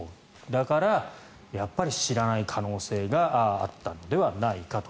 だからやっぱり知らない可能性があったのではないかと。